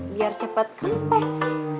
biar cepet kempes